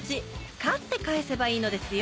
勝って返せばいいのですよ。